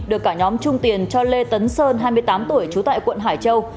được cả nhóm trung tiền cho lê tấn sơn hai mươi tám tuổi trú tại quận hải châu